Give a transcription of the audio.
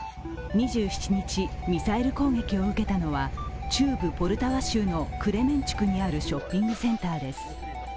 ２７日、ミサイル攻撃を受けたのは中部ポルタワ州のクレメンチュクにあるショッピングセンターです。